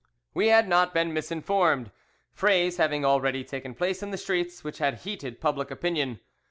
"We had not been misinformed, frays having already taken place in the streets which had heated public opinion.